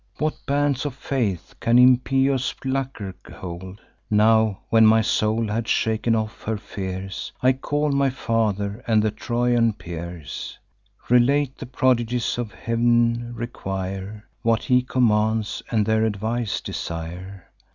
What bands of faith can impious lucre hold? Now, when my soul had shaken off her fears, I call my father and the Trojan peers; Relate the prodigies of Heav'n, require What he commands, and their advice desire.